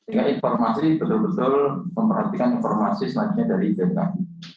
sehingga informasi betul betul memperhatikan informasi selanjutnya dari bmkg